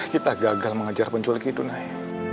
kita gagal mengejar penculik itu naya